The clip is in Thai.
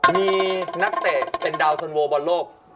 มีนักเตะเป็นดาวสันโวบอลโลก